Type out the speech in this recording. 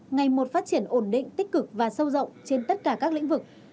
ngày một phát triển ổn định tích cực và sâu rộng trên tất cả các lĩnh vực